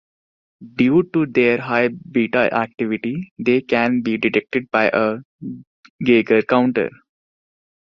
Due to their high beta activity, they can be detected by a Geiger counter.